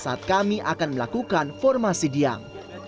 saat kami akan melakukan formasi diam